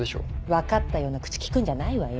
分かったような口利くんじゃないわよ。